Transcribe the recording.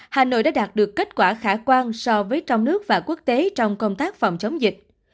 hà nội đã đạt được kết quả khả quan so với trong nước và quốc tế trong công tác phòng chống dịch